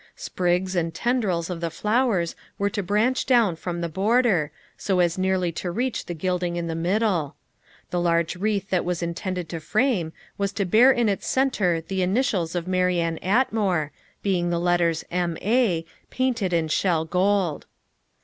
Sprigs and tendrils of the flowers were to branch down from the border, so as nearly to reach the gilding in the middle. The large wreath that was intended to frame was to bear in its center the initials of Marianne Atmore, being the letters M.A. painted in shell gold.